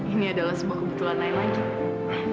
ini adalah sebuah kebetulan lain lagi